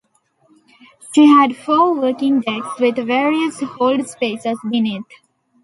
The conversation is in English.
She had four working decks with various hold spaces beneath.